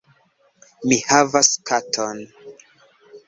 Mi havas katon.